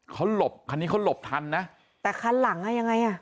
เขาหลบคันนี้เขาหลบทันนะแต่คันหลังอ่ะยังไงอ่ะ